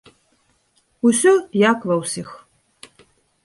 Усё як ва ўсіх.